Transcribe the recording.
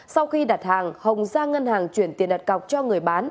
sau khi đặt hàng hồng ra ngân hàng chuyển tiền đặt cọc cho người bán